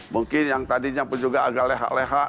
mungkin yang tadinya pun juga agak lehak leha